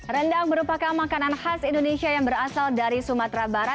rendang merupakan makanan khas indonesia yang berasal dari sumatera barat